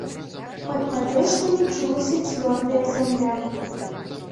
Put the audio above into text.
Пад падэшвамі чулася цвёрдая зямля.